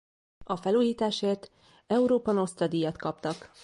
A felújításért Europa Nostra-díjat kaptak.